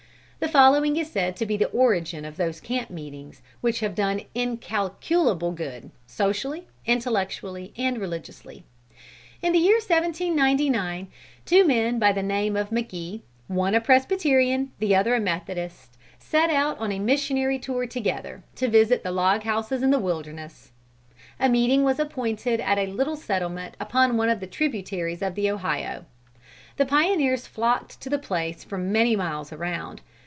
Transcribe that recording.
The following is said to be the origin of those camp meetings which have done incalculable good, socially, intellectually, and religiously. In the year 1799, two men by the name of McGee, one a Presbyterian, the other a Methodist, set out on a missionary tour together, to visit the log houses in the wilderness. A meeting was appointed at a little settlement upon one of the tributaries of the Ohio. The pioneers flocked to the place from many miles around.